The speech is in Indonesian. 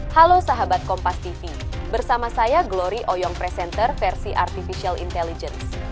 halo sahabat kompas tv bersama saya glory oyong presenter versi artificial intelligence